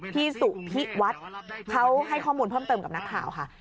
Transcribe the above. พี่สุพิวัฒน์เขาให้ข้อมูลเพิ่มเติมกับนักข่าวค่ะ